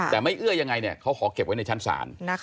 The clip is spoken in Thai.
แต่ไม่เอื้อยังไงเขาขอเก็บไว้ในชั้นศาล